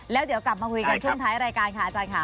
แล้วเดี๋ยวกลับมาคุยกันช่วงท้ายรายการค่ะอาจารย์ค่ะ